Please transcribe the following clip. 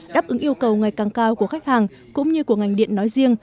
đáp ứng yêu cầu ngày càng cao của khách hàng cũng như của ngành điện nói riêng